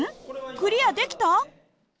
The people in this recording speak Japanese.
クリアできた？